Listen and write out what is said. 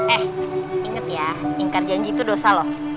eh inget ya ingkar janji itu dosa loh